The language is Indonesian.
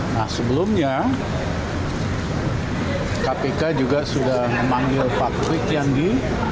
nah sebelumnya kpk juga sudah memanggil pak kuy kian gi